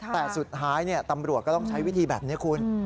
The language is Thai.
แต่สุดท้ายตำรวจก็ต้องใช้วิธีแบบนี้คุณ